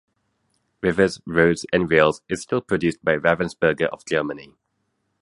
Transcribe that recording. Rivers, Roads and Rails is still produced by Ravensburger of Germany.